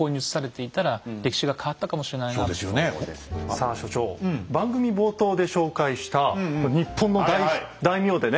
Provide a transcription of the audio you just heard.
さあ所長番組冒頭で紹介した日本の大名でね